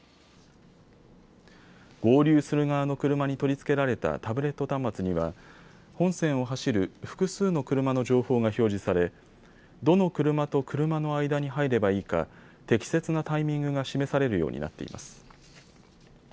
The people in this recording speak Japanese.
合流する側の車に取り付けられたタブレット端末には本線を走る複数の車の情報が表示されどの車と車の間に入ればいいか適切なタイミングが示されるようになっています。